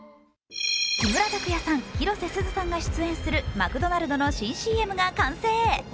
木村拓哉さん、広瀬すずさんが出演するマクドナルドの新ＣＭが完成。